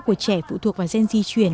của trẻ phụ thuộc vào gen di chuyển